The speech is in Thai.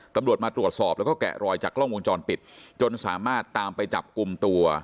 ตำรวจมาตรวจสอบแล้วก็แกะรอยจากกล้องวงจรปิดจนสามารถตามไปจับกลุ่มตัว